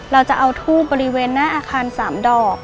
เราจะเอาทูบบริเวณหน้าอาคาร๓ดอก